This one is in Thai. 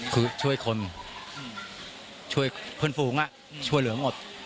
คือช่วยคนช่วยเพื่อนฝูงช่วยเหลือหมด